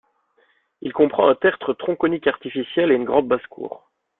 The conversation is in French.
Il comprend un tertre tronconique artificiel et une grande basse-cour.